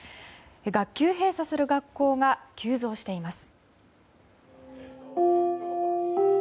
学級閉鎖する学校が急増しています。